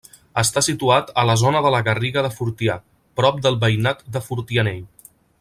Està situat a la zona de la Garriga de Fortià, prop del veïnat de Fortianell.